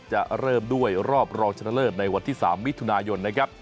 จะเริ่มด้วยรอบรองชนะเลิศในวันที่๓มิถุนายนนะครับ